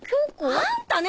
あんたね